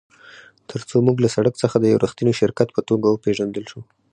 ترڅو موږ له سړک څخه د یو ریښتیني شرکت په توګه وپیژندل شو